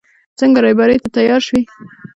څنګه رېبارۍ ته تيار شوې.